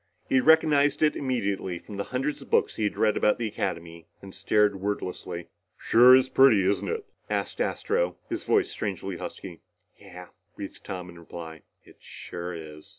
He recognized it immediately from the hundreds of books he had read about the Academy and stared wordlessly. "Sure is pretty, isn't it?" asked Astro, his voice strangely husky. "Yeah," breathed Tom in reply. "It sure is."